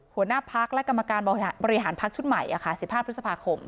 หัวหน้าพักฯและกรรมการบริหารพักฯชุดใหม่อะค่ะสิทธิภาพพฤศพาคม